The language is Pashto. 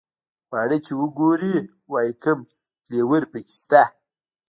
خواړه چې وګوري وایي کوم فلېور په کې شته.